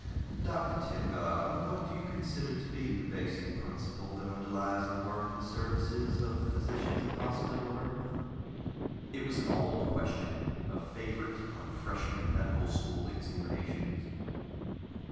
"Doctor Timgar, what do you consider to be the basic principle that underlies the work and services of physicians of Hospital Earth?" It was an old question, a favorite on freshman medical school examinations.